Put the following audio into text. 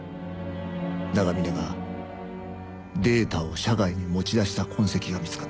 長峰がデータを社外に持ち出した痕跡が見つかった。